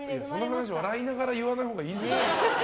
その話、笑いながら言わないほうがいいですよ。